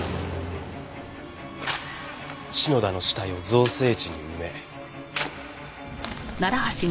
篠田の死体を造成地に埋め。